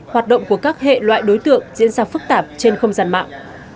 hoạt động của các hệ loại đối tượng diễn ra phức tạp trên không gian mạng